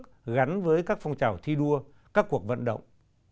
tổ chức gắn với các phong trào thi đua các cuộc vận động